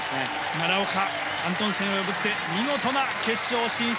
奈良岡アントンセンを破って見事な決勝進出！